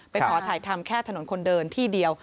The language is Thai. ขอถ่ายทำแค่ถนนคนเดินที่เดียว